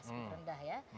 speed rendah ya